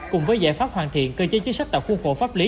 cùng với giải pháp hoàn thiện cơ chế chính sách tạo khuôn khổ pháp lý